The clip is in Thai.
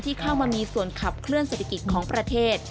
เข้ามามีส่วนขับเคลื่อเศรษฐกิจของประเทศ